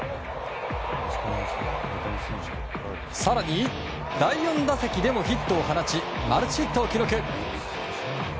更に第４打席でもヒットを放ちマルチヒットを記録。